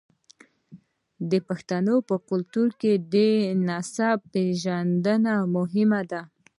د پښتنو په کلتور کې د نسب پیژندنه مهمه ده.